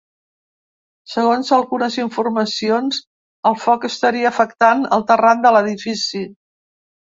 Segons algunes informacions, el foc estaria afectant el terrat de l’edifici.